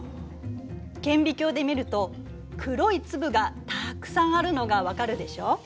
顕微鏡で見ると黒い粒がたくさんあるのが分かるでしょ？